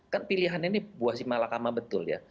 kan pilihannya ini buah si malakama betul ya